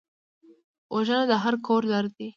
وژنه د هر کور درد دی